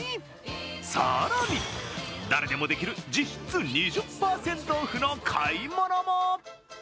更に、誰でもできる実質２０％オフの買い物も。